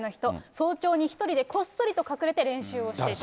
早朝に１人でこっそりと隠れて練習をしていた。